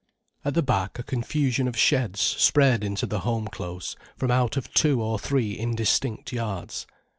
At the back a confusion of sheds spread into the home close from out of two or three indistinct yards.